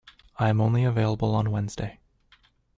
I am only available on Wednesday.